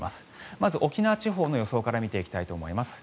まず沖縄地方の予想から見ていきたいと思います。